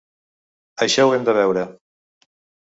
Això ho hem de veure.